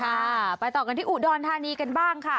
ค่ะไปต่อกันที่อุดรธานีกันบ้างค่ะ